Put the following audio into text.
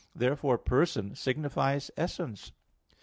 Therefore person signifies essence.